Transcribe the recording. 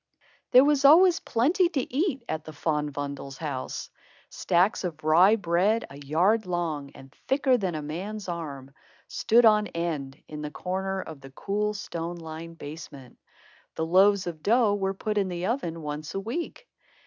There was always plenty to eat at the Van Bommels' house. Stacks of rye bread, a yard long and thicker than a man's arm, stood on end in the corner of the cool, stone lined basement. The loaves of dough were put in the oven once a week.